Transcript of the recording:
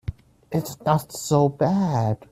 It's not so bad.